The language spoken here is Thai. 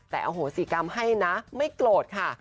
แต่อโหสิกรรมให้นะไม่โกรธค่ะ